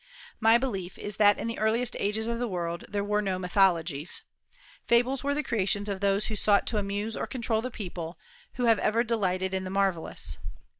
My belief is that in the earliest ages of the world there were no mythologies. Fables were the creations of those who sought to amuse or control the people, who have ever delighted in the marvellous.